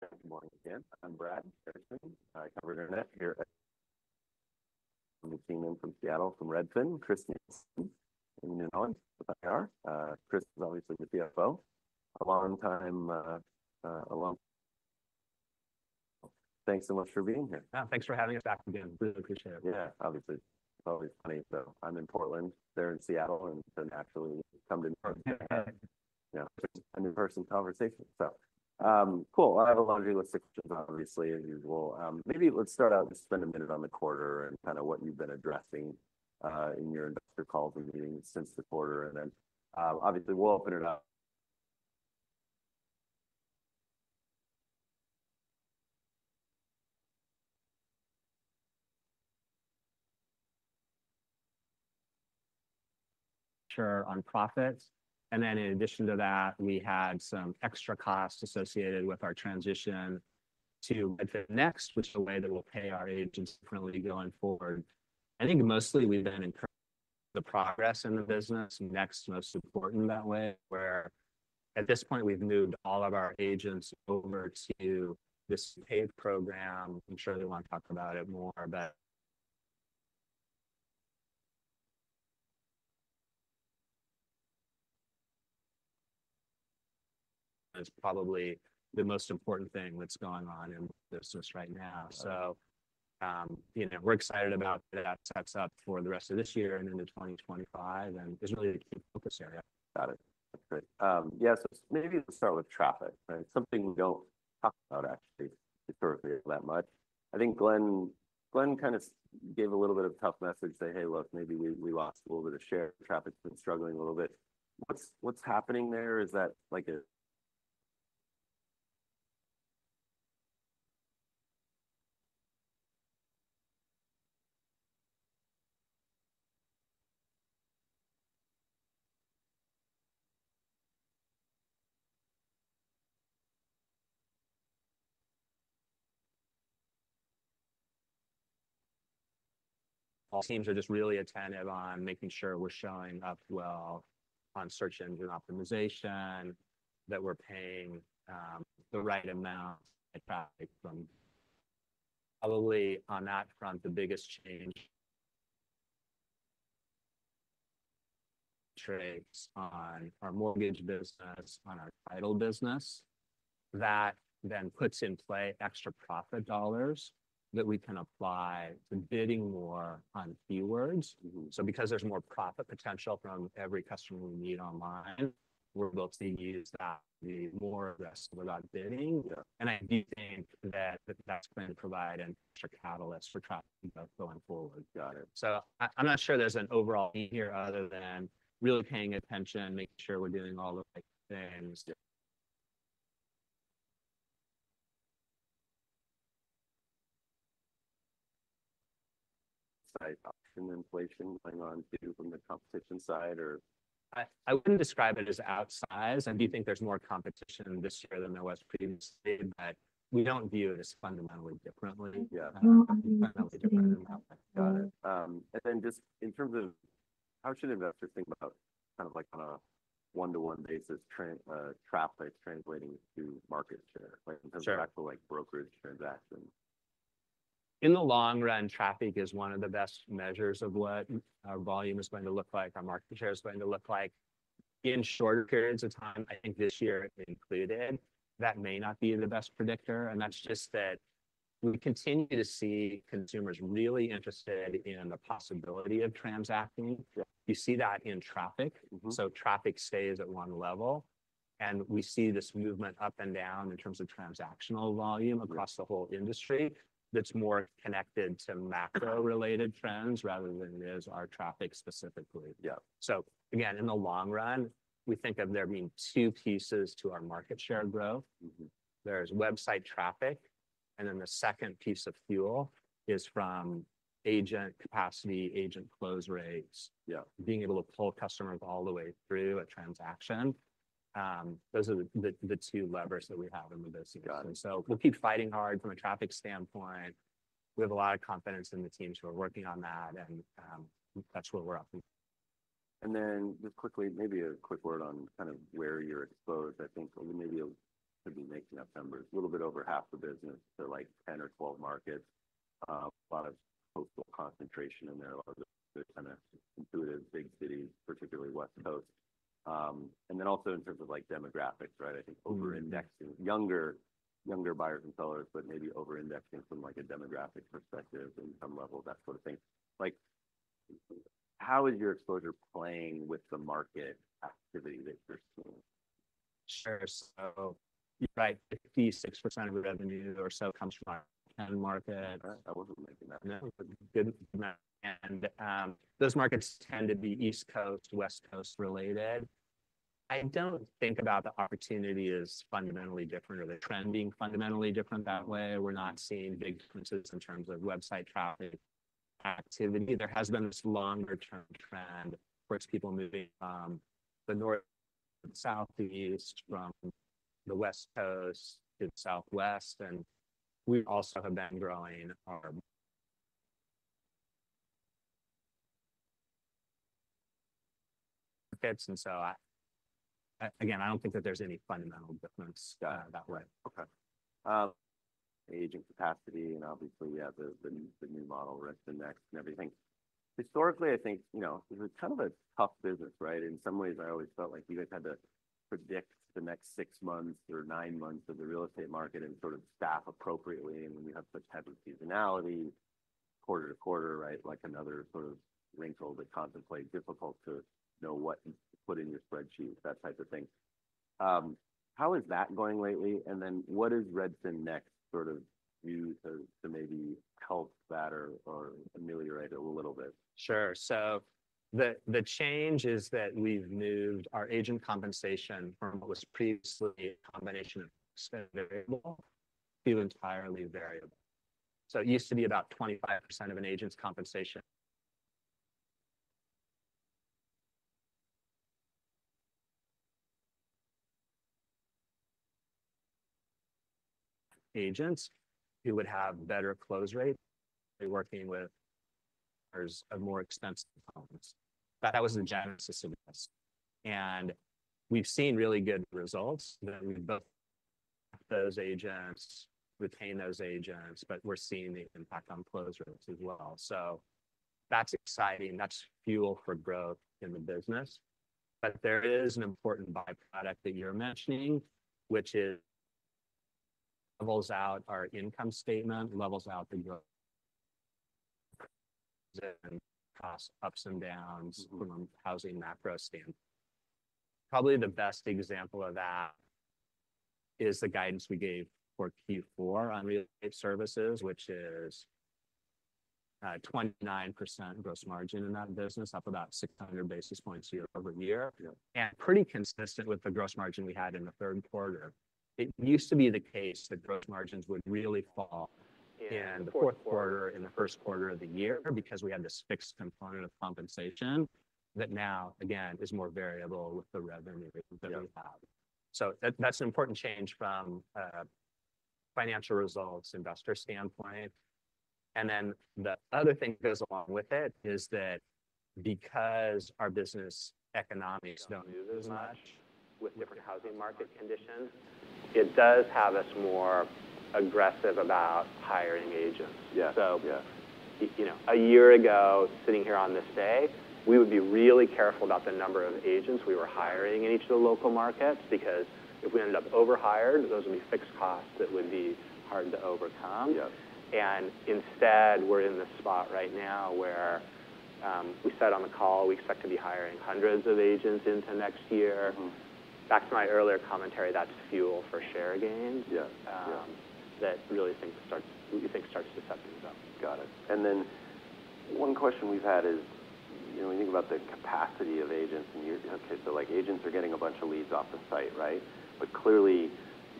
Good morning, again. I'm Brad Erickson, covered internet here at. I'm the team in from Seattle, from Redfin, Chris Nielsen in New York. IR, Chris is obviously the CFO, a long time, along. Thanks so much for being here. Yeah, thanks for having us back again. Really appreciate it. Yeah, obviously. It's always funny. So I'm in Portland, they're in Seattle, and so naturally come to New York. Yeah. Yeah, a new person conversation. So, cool. I have a lot of realistic questions, obviously, as usual. Maybe let's start out, just spend a minute on the quarter and kind of what you've been addressing, in your investor calls and meetings since the quarter. And then, obviously we'll open it up. Sure. On profits. And then in addition to that, we had some extra costs associated with our transition to the Next, which is a way that we'll pay our agents differently going forward. I think mostly we've been in the progress in the business, Next most important that way, where at this point we've moved all of our agents over to this paid program. I'm sure they wanna talk about it more, but. It's probably the most important thing that's going on in the business right now. So, you know, we're excited about that sets up for the rest of this year and into 2025, and it's really the key focus area. Got it. That's great. Yeah, so maybe let's start with traffic, right? Something we don't talk about actually historically that much. I think Glenn, Glenn kind of gave a little bit of a tough message, say, "Hey, look, maybe we, we lost a little bit of share of traffic, been struggling a little bit." What's, what's happening there? Is that like a? Teams are just really attentive on making sure we're showing up well on search engine optimization, that we're paying the right amount for traffic from. Probably on that front, the biggest change: gains on our mortgage business, on our title business that then puts in play extra profit dollars that we can apply to bidding more on keywords, so because there's more profit potential from every customer we meet online, we're able to use that to be more aggressive about bidding, and I do think that that's been providing extra catalysts for traffic going forward. Got it. I'm not sure there's an overall here other than really paying attention, making sure we're doing all the right things. website auction inflation going on too from the competition side, or? I wouldn't describe it as outsized. I do think there's more competition this year than there was previously, but we don't view it as fundamentally differently. Yeah. Fundamentally different than that. Got it. And then just in terms of how should investors think about kind of like on a one-to-one basis, traffic translating to market share, like in terms of actual like brokerage transactions? In the long run, traffic is one of the best measures of what our volume is going to look like, our market share is going to look like in shorter periods of time. I think this year included, that may not be the best predictor, and that's just that we continue to see consumers really interested in the possibility of transacting. You see that in traffic. Mm-hmm. So traffic stays at one level, and we see this movement up and down in terms of transactional volume across the whole industry that's more connected to macro-related trends rather than is our traffic specifically. Yeah. Again, in the long run, we think of there being two pieces to our market share growth. Mm-hmm. There's website traffic, and then the second piece of fuel is from agent capacity, agent close rates. Yeah. Being able to pull customers all the way through a transaction. Those are the two levers that we have in the business. Got it. And so we'll keep fighting hard from a traffic standpoint. We have a lot of confidence in the teams who are working on that, and that's where we're up. And then just quickly, maybe a quick word on kind of where you're exposed. I think maybe you'll be making up numbers, a little bit over half the business to like 10 or 12 markets. A lot of coastal concentration in there, a lot of the kind of intuitive big cities, particularly West Coast. And then also in terms of like demographics, right? I think over-indexing younger, younger buyers and sellers, but maybe over-indexing from like a demographic perspective in some level, that sort of thing. Like how is your exposure playing with the market activity that you're seeing? Sure. So you're right, 56% of revenue or so comes from our end market. All right. I wasn't making that. No, good. And those markets tend to be East Coast, West Coast related. I don't think about the opportunity as fundamentally different or the trend being fundamentally different that way. We're not seeing big differences in terms of website traffic activity. There has been this longer-term trend towards people moving from the north, south, and east from the West Coast to the southwest. And we also have been growing our. Markets. And so, again, I don't think that there's any fundamental difference that way. Okay. Agent capacity, and obviously we have the new model, Redfin Next and everything. Historically, I think, you know, it was kind of a tough business, right? In some ways, I always felt like you guys had to predict the next six months or nine months of the real estate market and sort of staff appropriately. And when you have such heavy seasonalities, quarter to quarter, right, like another sort of wrinkle to contemplate, difficult to know what to put in your spreadsheet, that type of thing. How is that going lately? And then what is Redfin Next sort of view to maybe help that or ameliorate it a little bit? Sure. So the change is that we've moved our agent compensation from what was previously a combination of stipend to entirely variable. So it used to be about 25% of an agent's compensation. Agents who would have better close rates, they're working with a more expensive component. But that was the genesis of this. And we've seen really good results. We've retained those agents, but we're seeing the impact on close rates as well. So that's exciting. That's fuel for growth in the business. But there is an important byproduct that you're mentioning, which levels out our income statement, levels out the growth and cost ups and downs from a housing macro standpoint. Probably the best example of that is the guidance we gave for Q4 on real estate services, which is 29% gross margin in that business, up about 600 basis points year over year. Yeah. Pretty consistent with the gross margin we had in the third quarter. It used to be the case that gross margins would really fall in the fourth quarter, in the first quarter of the year, because we had this fixed component of compensation that now, again, is more variable with the revenue that we have. So that, that's an important change from a financial results investor standpoint. And then the other thing that goes along with it is that because our business economics don't move as much with different housing market conditions, it does have us more aggressive about hiring agents. Yeah. You know, a year ago, sitting here on this day, we would be really careful about the number of agents we were hiring in each of the local markets, because if we ended up overhired, those would be fixed costs that would be hard to overcome. Yeah. Instead, we're in this spot right now where, we said on the call, we expect to be hiring hundreds of agents into next year. Mm-hmm. Back to my earlier commentary, that's fuel for share gains. Yeah. Yeah. We think things start to set things up. Got it. And then one question we've had is, you know, when you think about the capacity of agents and okay, so like agents are getting a bunch of leads off the site, right? But clearly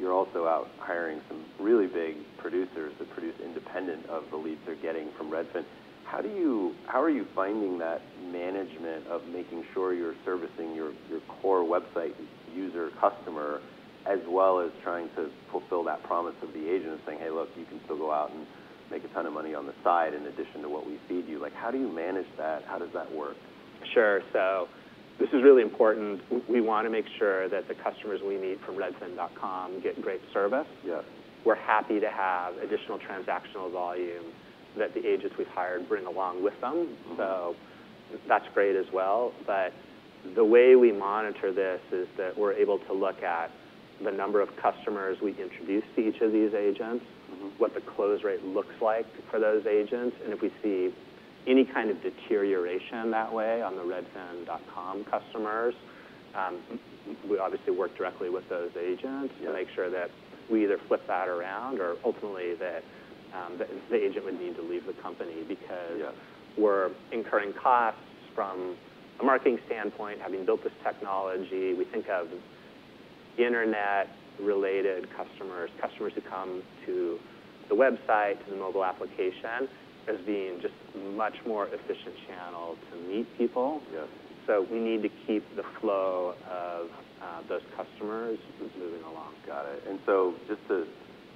you're also out hiring some really big producers that produce independent of the leads they're getting from Redfin. How do you, how are you finding that management of making sure you're servicing your core website user customer as well as trying to fulfill that promise of the agent and saying, "Hey, look, you can still go out and make a ton of money on the side in addition to what we feed you"? Like how do you manage that? How does that work? Sure, so this is really important. We wanna make sure that the customers we meet from redfin.com get great service. Yeah. We're happy to have additional transactional volume that the agents we've hired bring along with them, so that's great as well, but the way we monitor this is that we're able to look at the number of customers we introduce to each of these agents. Mm-hmm. What the close rate looks like for those agents, and if we see any kind of deterioration that way on the redfin.com customers, we obviously work directly with those agents. Yeah. To make sure that we either flip that around or ultimately that the agent would need to leave the company because. Yeah. We're incurring costs from a marketing standpoint, having built this technology. We think of internet-related customers, customers who come to the website, to the mobile application as being just a much more efficient channel to meet people. Yeah. So we need to keep the flow of those customers moving along. Got it. And so just to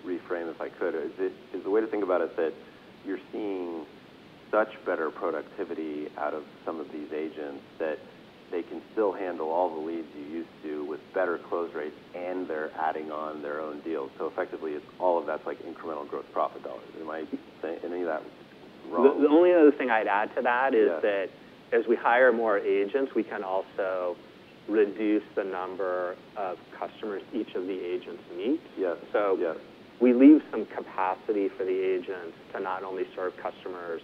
reframe if I could, is it, is the way to think about it that you're seeing such better productivity out of some of these agents that they can still handle all the leads you used to with better close rates and they're adding on their own deals? So effectively, it's all of that's like incremental gross profit dollars. Am I saying any of that wrong? The only other thing I'd add to that is that as we hire more agents, we can also reduce the number of customers each of the agents meet. Yeah. So we leave some capacity for the agents to not only serve customers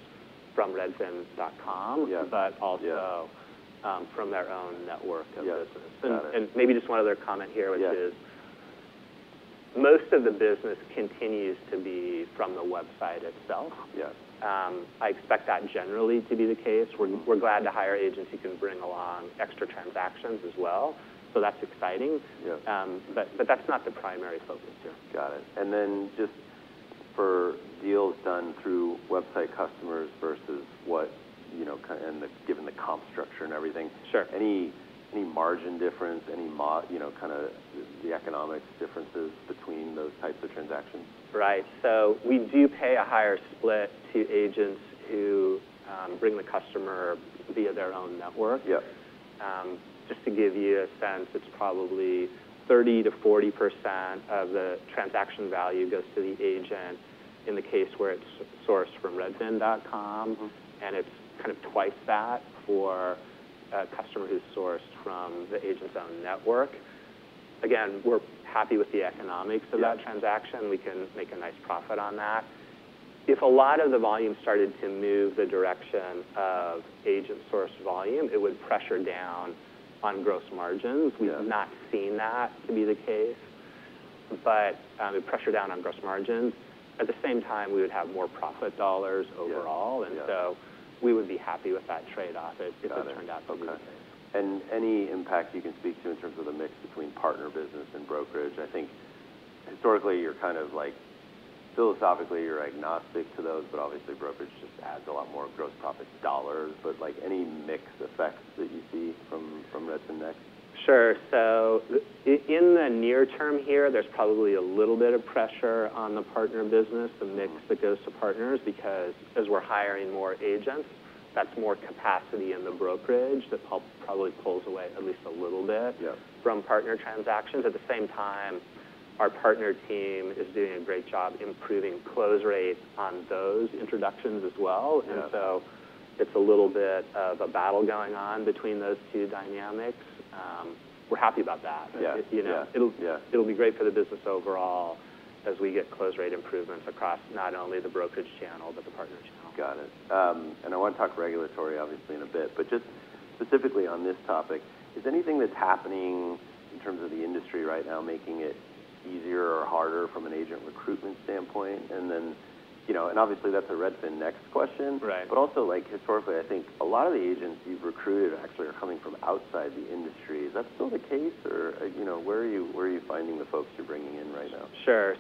from redfin.com. Yeah. But also, from their own network of business. Yeah. Maybe just one other comment here, which is. Yeah. Most of the business continues to be from the website itself. Yeah. I expect that generally to be the case. Mm-hmm. We're glad to hire agents who can bring along extra transactions as well. So that's exciting. Yeah. but that's not the primary focus here. Got it. And then just for deals done through website customers versus what, you know, kind of, and the, given the comp structure and everything. Sure. Any margin difference, any more, you know, kind of the economics differences between those types of transactions? Right. So we do pay a higher split to agents who bring the customer via their own network. Yeah. Just to give you a sense, it's probably 30%-40% of the transaction value goes to the agent in the case where it's sourced from redfin.com. Mm-hmm. It's kind of twice that for a customer who's sourced from the agent's own network. Again, we're happy with the economics of that transaction. Yeah. We can make a nice profit on that. If a lot of the volume started to move the direction of agent-sourced volume, it would pressure down on gross margins. Yeah. We've not seen that to be the case, but it would pressure down on gross margins. At the same time, we would have more profit dollars overall. Yeah. And so we would be happy with that trade-off if it turned out. Got it. For me. Any impact you can speak to in terms of the mix between partner business and brokerage? I think historically you're kind of like philosophically you're agnostic to those, but obviously brokerage just adds a lot more gross profit dollars. Like any mixed effects that you see from Redfin Next? Sure, so in the near term here, there's probably a little bit of pressure on the partner business, the mix that goes to partners, because as we're hiring more agents, that's more capacity in the brokerage that probably pulls away at least a little bit. Yeah. From partner transactions. At the same time, our partner team is doing a great job improving close rates on those introductions as well. Yeah. And so it's a little bit of a battle going on between those two dynamics. We're happy about that. Yeah. You know, it'll. Yeah. It'll be great for the business overall as we get close rate improvements across not only the brokerage channel but the partner channel. Got it. And I wanna talk regulatory, obviously, in a bit, but just specifically on this topic, is there anything that's happening in terms of the industry right now making it easier or harder from an agent recruitment standpoint? And then, you know, and obviously that's a Redfin Next question. Right. But also, like, historically, I think a lot of the agents you've recruited actually are coming from outside the industry. Is that still the case or, you know, where are you, where are you finding the folks you're bringing in right now? Sure,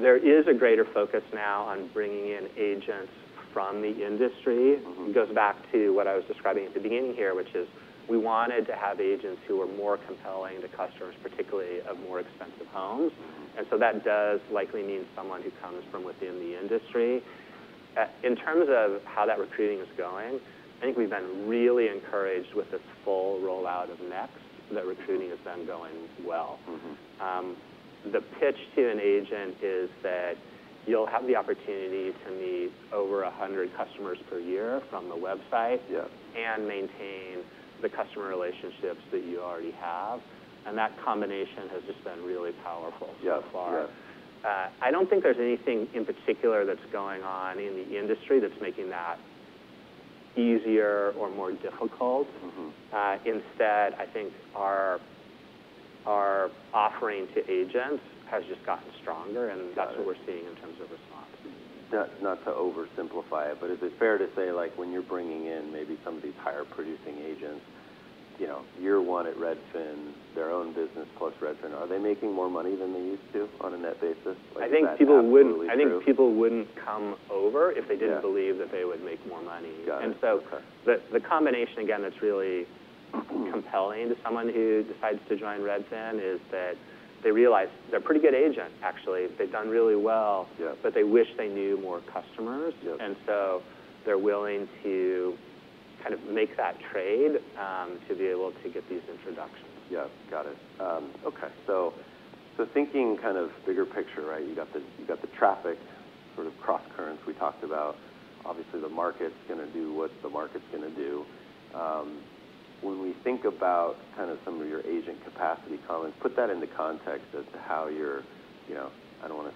so there is a greater focus now on bringing in agents from the industry. Mm-hmm. It goes back to what I was describing at the beginning here, which is we wanted to have agents who were more compelling to customers, particularly of more expensive homes. Mm-hmm. And so that does likely mean someone who comes from within the industry. In terms of how that recruiting is going, I think we've been really encouraged with this full rollout of Next that recruiting has been going well. Mm-hmm. The pitch to an agent is that you'll have the opportunity to meet over 100 customers per year from the website. Yeah. And maintain the customer relationships that you already have. And that combination has just been really powerful so far. Yeah. Yeah. I don't think there's anything in particular that's going on in the industry that's making that easier or more difficult. Mm-hmm. Instead, I think our offering to agents has just gotten stronger and that's. Yeah. What we're seeing in terms of response. Not, not to oversimplify it, but is it fair to say like when you're bringing in maybe some of these higher producing agents, you know, year one at Redfin, their own business plus Redfin, are they making more money than they used to on a net basis? Like is that absolutely fair? I think people wouldn't come over if they didn't believe. Yeah. That they would make more money. Got it. And so the combination, again, that's really compelling to someone who decides to join Redfin is that they realize they're a pretty good agent actually. They've done really well. Yeah. But they wish they knew more customers. Yeah. And so they're willing to kind of make that trade, to be able to get these introductions. Yeah. Got it. Okay. So thinking kind of bigger picture, right? You got the traffic sort of cross currents we talked about. Obviously, the market's gonna do what the market's gonna do. When we think about kind of some of your agent capacity comments, put that into context as to how you're, you know, I don't wanna.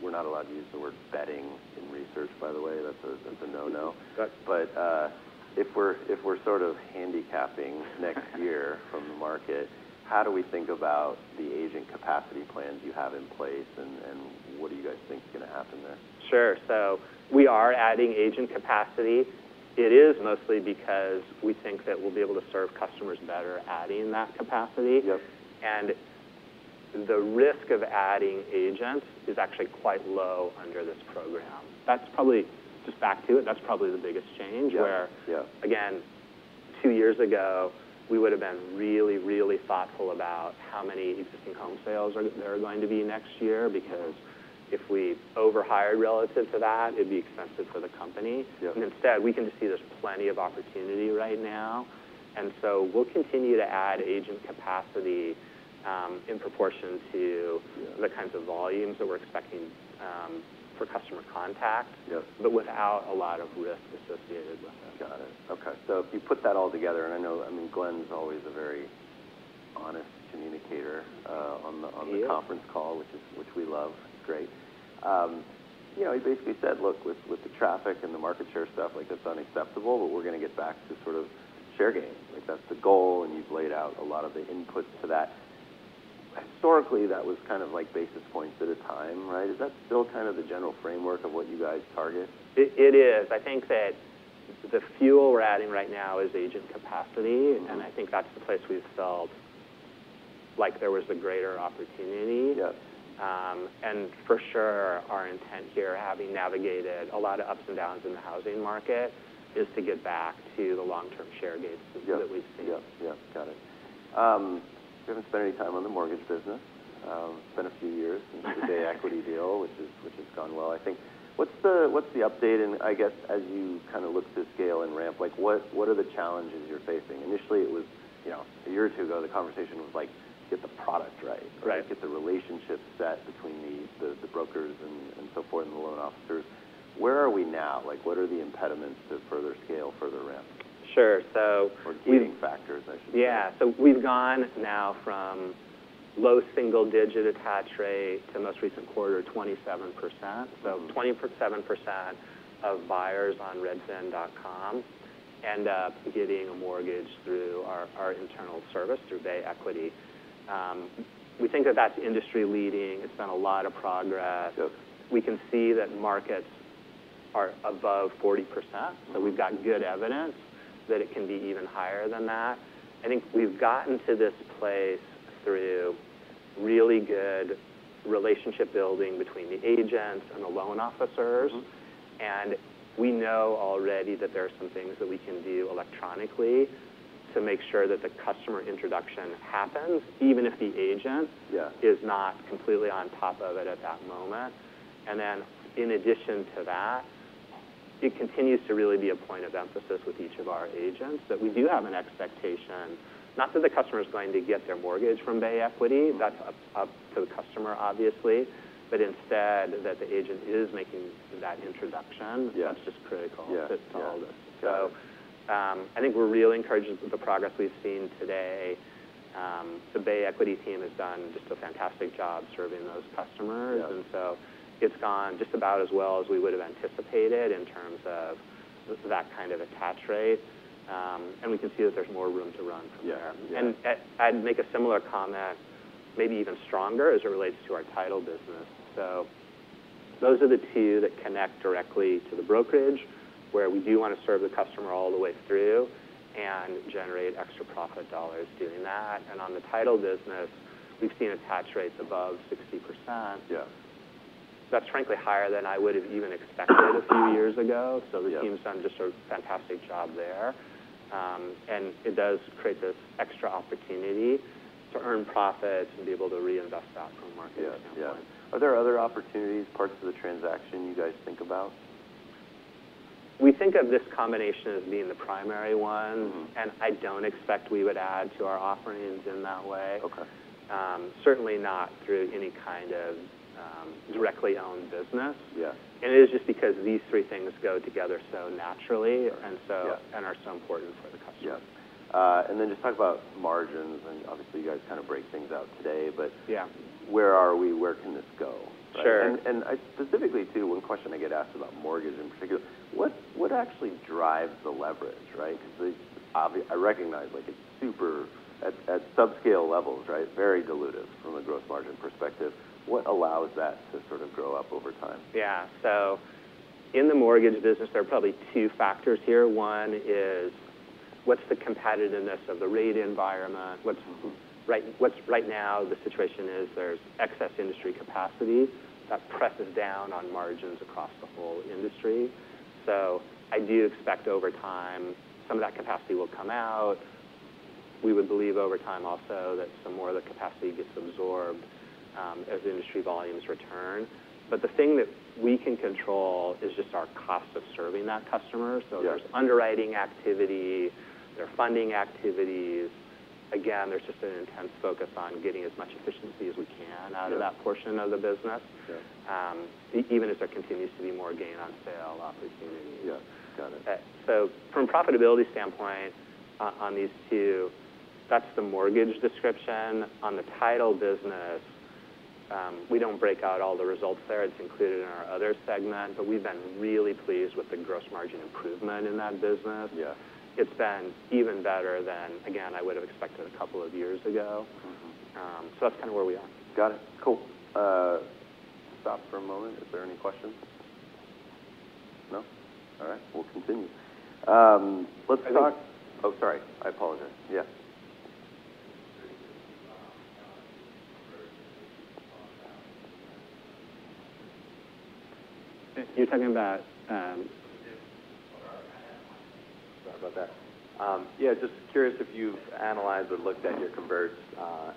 We're not allowed to use the word betting in research, by the way. That's a no-no. Right. But, if we're sort of handicapping next year from the market, how do we think about the agent capacity plans you have in place and what do you guys think's gonna happen there? Sure. So we are adding agent capacity. It is mostly because we think that we'll be able to serve customers better adding that capacity. Yep. And the risk of adding agents is actually quite low under this program. That's probably, just back to it, that's probably the biggest change. Yeah. Where. Yeah. Again, two years ago, we would've been really, really thoughtful about how many existing home sales are there going to be next year, because if we overhired relative to that, it'd be expensive for the company. Yeah. And instead, we can just see there's plenty of opportunity right now. And so we'll continue to add agent capacity, in proportion to the kinds of volumes that we're expecting, for customer contact. Yeah. But without a lot of risk associated with it. Got it. Okay. So if you put that all together, and I know, I mean, Glenn's always a very honest communicator, on the. He is. On the conference call, which we love. It's great. You know, he basically said, "Look, with the traffic and the market share stuff, like that's unacceptable, but we're gonna get back to sort of share gains." Like that's the goal, and you've laid out a lot of the inputs to that. Historically, that was kind of like basis points at a time, right? Is that still kind of the general framework of what you guys target? It is. I think that the fuel we're adding right now is agent capacity. Mm-hmm. And I think that's the place we've felt like there was a greater opportunity. Yeah. And for sure, our intent here, having navigated a lot of ups and downs in the housing market, is to get back to the long-term share gains. Yeah. That we've seen. Yeah. Yeah. Got it. We haven't spent any time on the mortgage business. It's been a few years. Yeah. And the Bay Equity deal, which is, which has gone well, I think. What's the, what's the update? And I guess as you kind of look to scale and ramp, like what, what are the challenges you're facing? Initially, it was, you know, a year or two ago, the conversation was like, "Get the product right. Right. Or, "Get the relationship set between the brokers and so forth and the loan officers." Where are we now? Like what are the impediments to further scale, further ramp? Sure. So. Or gating factors, I should say. Yeah. So we've gone now from low single-digit attach rate to most recent quarter, 27%. Mm-hmm. 27% of buyers on redfin.com end up getting a mortgage through our internal service, through Bay Equity. We think that that's industry leading. It's been a lot of progress. Yeah. We can see that markets are above 40%. Mm-hmm. So we've got good evidence that it can be even higher than that. I think we've gotten to this place through really good relationship building between the agents and the loan officers. Mm-hmm. We know already that there are some things that we can do electronically to make sure that the customer introduction happens, even if the agent. Yeah. is not completely on top of it at that moment. And then in addition to that, it continues to really be a point of emphasis with each of our agents that we do have an expectation, not that the customer's going to get their mortgage from Bay Equity. Mm-hmm. That's up to the customer, obviously, but instead that the agent is making that introduction. Yeah. That's just critical. Yeah. To all this. Yeah. So, I think we're really encouraged with the progress we've seen today. The Bay Equity team has done just a fantastic job serving those customers. Yeah. And so it's gone just about as well as we would've anticipated in terms of that kind of attach rate. And we can see that there's more room to run from there. Yeah. Yeah. And I'd make a similar comment, maybe even stronger, as it relates to our title business. So those are the two that connect directly to the brokerage, where we do wanna serve the customer all the way through and generate extra profit dollars doing that. And on the title business, we've seen attach rates above 60%. Yeah. That's frankly higher than I would've even expected a few years ago. Yeah. So the team's done just a fantastic job there. And it does create this extra opportunity to earn profits and be able to reinvest that from a marketing standpoint. Yeah. Are there other opportunities, parts of the transaction you guys think about? We think of this combination as being the primary one. Mm-hmm. I don't expect we would add to our offerings in that way. Okay. Certainly not through any kind of directly owned business. Yeah. It is just because these three things go together so naturally. Yeah. And so. Yeah. Are so important for the customer. Yeah. And then just talk about margins. And obviously, you guys kind of break things out today, but. Yeah. Where are we? Where can this go? Sure. I specifically, too, one question I get asked about mortgage in particular, what actually drives the leverage, right? 'Cause it's obviously I recognize like it's super at subscale levels, right? Very dilutive from a gross margin perspective. What allows that to sort of grow up over time? Yeah, so in the mortgage business, there are probably two factors here. One is what's the competitiveness of the rate environment? What's right now the situation is there's excess industry capacity that presses down on margins across the whole industry, so I do expect over time some of that capacity will come out. We would believe over time also that some more of the capacity gets absorbed, as industry volumes return, but the thing that we can control is just our cost of serving that customer. Yeah. So there's underwriting activity. There are funding activities. Again, there's just an intense focus on getting as much efficiency as we can out of that portion of the business. Yeah. Even as there continues to be more gain on sale opportunities. Yeah. Got it. So from a profitability standpoint, on these two, that's the mortgage division. On the title business, we don't break out all the results there. It's included in our other segment, but we've been really pleased with the gross margin improvement in that business. Yeah. It's been even better than, again, I would've expected a couple of years ago. Mm-hmm. So that's kind of where we are. Got it. Cool. Stop for a moment. Is there any questions? No? All right. We'll continue. Let's talk. I think. Oh, sorry. I apologize. Yeah. You're talking about, Sorry about that. Yeah, just curious if you've analyzed or looked at your convertibles,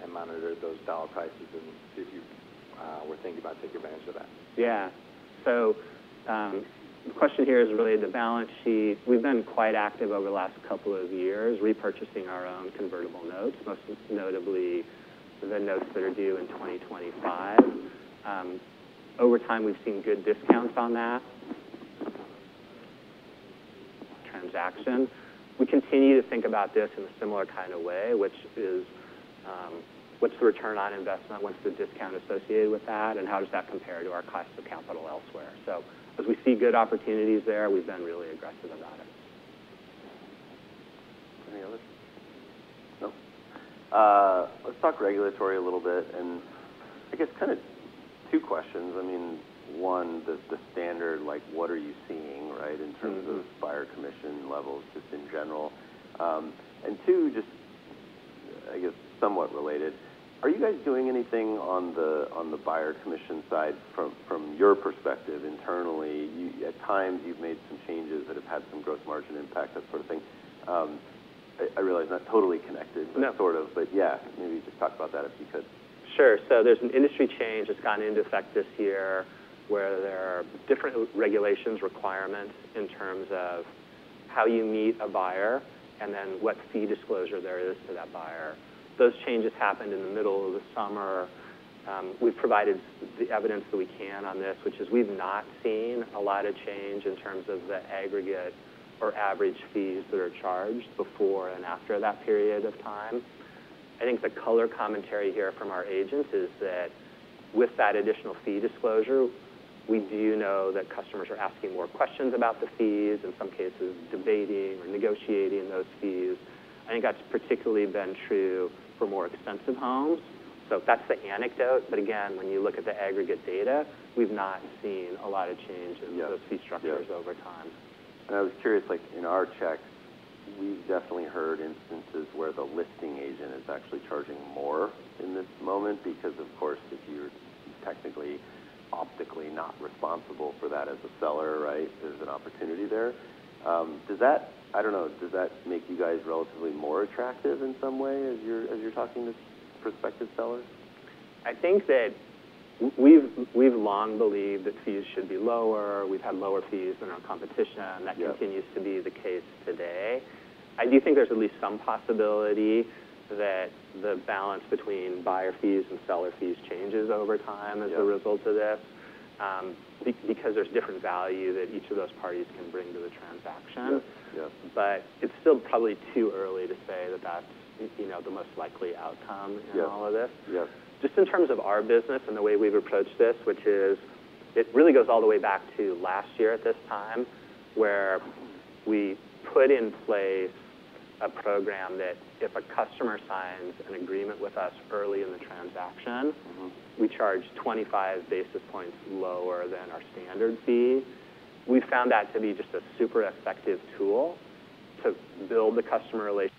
and monitored those conversion prices and see if you were thinking about taking advantage of that? Yeah, so the question here is related to balance sheet. We've been quite active over the last couple of years repurchasing our own convertible notes, most notably the notes that are due in 2025. Mm-hmm. Over time, we've seen good discounts on that transaction. We continue to think about this in a similar kind of way, which is, what's the return on investment? What's the discount associated with that? And how does that compare to our cost of capital elsewhere? So as we see good opportunities there, we've been really aggressive about it. Any others? No? Let's talk regulatory a little bit, and I guess kind of two questions. I mean, one, the standard, like what are you seeing, right, in terms of. Mm-hmm. Buyer commission levels just in general? And two, just, I guess, somewhat related, are you guys doing anything on the buyer commission side from your perspective internally? At times, you've made some changes that have had some gross margin impact, that sort of thing. I realize not totally connected. No. But sort of, but yeah, maybe just talk about that if you could? Sure. So there's an industry change that's gone into effect this year where there are different regulatory requirements in terms of how you meet a buyer and then what fee disclosure there is to that buyer. Those changes happened in the middle of the summer. We've provided the evidence that we can on this, which is we've not seen a lot of change in terms of the aggregate or average fees that are charged before and after that period of time. I think the color commentary here from our agents is that with that additional fee disclosure, we do know that customers are asking more questions about the fees, in some cases debating or negotiating those fees. I think that's particularly been true for more expensive homes. So that's the anecdote. But again, when you look at the aggregate data, we've not seen a lot of change. Yeah. In those fee structures over time. I was curious, like in our checks, we've definitely heard instances where the listing agent is actually charging more in this moment because, of course, if you're technically, optically not responsible for that as a seller, right, there's an opportunity there. Does that, I don't know, does that make you guys relatively more attractive in some way as you're talking to prospective sellers? I think that we've long believed that fees should be lower. We've had lower fees than our competition. Yeah. That continues to be the case today. I do think there's at least some possibility that the balance between buyer fees and seller fees changes over time as a result of this. Yeah. Because there's different value that each of those parties can bring to the transaction. Yeah. Yeah. But it's still probably too early to say that that's, you know, the most likely outcome in all of this. Yeah. Yeah. Just in terms of our business and the way we've approached this, which is it really goes all the way back to last year at this time where we put in place a program that if a customer signs an agreement with us early in the transaction. Mm-hmm. We charge 25 basis points lower than our standard fee. We found that to be just a super effective tool to build the customer relation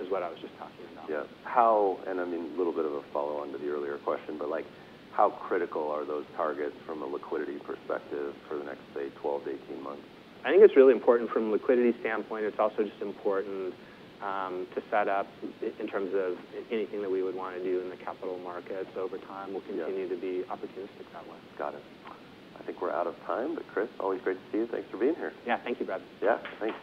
is what I was just talking about. Yeah. How, and I mean, a little bit of a follow-on to the earlier question, but like how critical are those targets from a liquidity perspective for the next, say, 12-18 months? I think it's really important from a liquidity standpoint. It's also just important to set up in terms of anything that we would wanna do in the capital markets over time. Yeah. We'll continue to be opportunistic that way. Got it. I think we're out of time, but Chris, always great to see you. Thanks for being here. Yeah. Thank you, Brad. Yeah. Thanks.